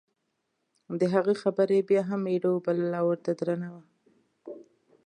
د هغه خبره یې بیا هم میره وبلله او ورته درنه وه.